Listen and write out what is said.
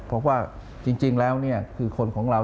เพราะว่าจริงแล้วคือคนของเรา